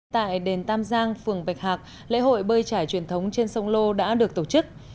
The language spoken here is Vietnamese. tại đền tam giang phường bạch hạc lễ hội bơi trải truyền thống trên sông lô đã được tổ chức